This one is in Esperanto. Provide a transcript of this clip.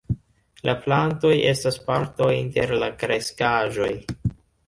La plantoj estas parto inter la kreskaĵoj.